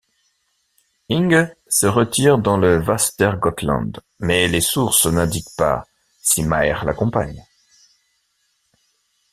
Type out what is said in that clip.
Inge se retire dans le Västergötland, mais les sources n'indiquent pas si Maer l'accompagne.